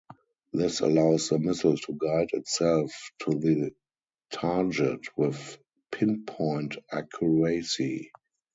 This allows the missile to guide itself to the target with pinpoint accuracy.